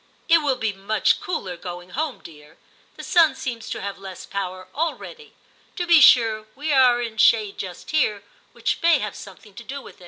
' It will be much cooler going home, dear ; the sun seems to have less power already ; to be sure, we are in shade just here, which may have something to do with it.'